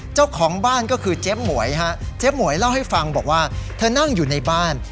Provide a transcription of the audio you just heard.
เจ้าของบ้านก็คือเจ๊หมวยฮะเจ๊หมวยเล่าให้ฟังบอกว่าเธอนั่งอยู่ในบ้าน